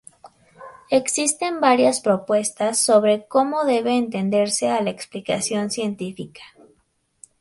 Existen varias propuestas sobre cómo debe entenderse a la explicación científica.